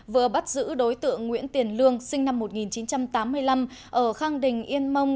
vừa bắt giữ đối tượng nguyễn tiền lương sinh năm một nghìn chín trăm tám mươi năm ở khang đình yên mông